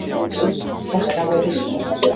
这对双胞胎姐妹都是公开的同性恋者。